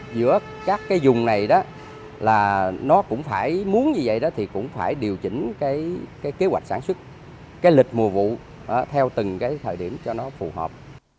giữa các dùng này muốn như vậy thì cũng phải điều chỉnh kế hoạch sản xuất lịch mùa vụ theo từng thời điểm cho nó phù hợp